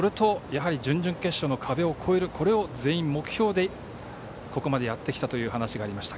それと、やはり準々決勝の壁を超えることを全員、目標でここまでやってきたという話がありました。